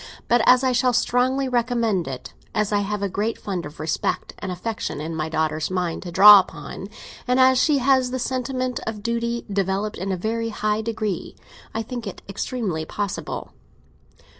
But as I shall strongly recommend it, as I have a great fund of respect and affection in my daughter's mind to draw upon, and as she has the sentiment of duty developed in a very high degree, I think it extremely possible."